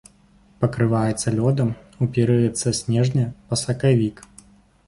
Пакрываецца лёдам у перыяд са снежня па сакавік.